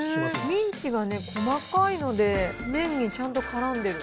ミンチがね、細かいので、麺にちゃんとからんでる。